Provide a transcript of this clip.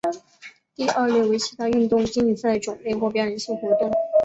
第二类为其他运动竞赛种类或表演性活动。